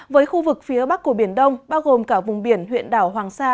với khu vực phía bắc của biển đông bao gồm cả vùng biển huyện đảo hoàng sa